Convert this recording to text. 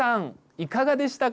いかがでしたか？